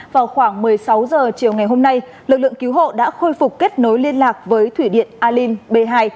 vào khoảng một mươi sáu h chiều ngày hôm nay lực lượng cứu hộ đã khôi phục kết nối liên lạc với thủy điện alin b hai